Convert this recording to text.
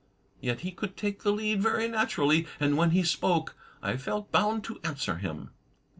Yet he could take the lead very natu rally, and when he spoke, I felt bound to answer him.